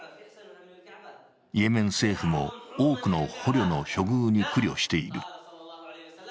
イエメン政府も、多くの捕虜の処遇に苦慮している。